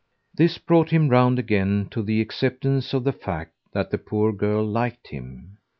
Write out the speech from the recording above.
This brought him round again to the acceptance of the fact that the poor girl liked him.